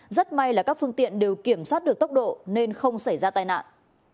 rất may là các phương tiện đều kiểm soát được tốc độ nên không xảy ra tai nạn